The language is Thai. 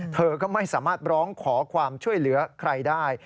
เธอก็ไม่สามารถร้องขอความช่วยเหลือใครได้